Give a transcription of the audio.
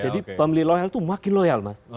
jadi pemilih loyal itu makin loyal mas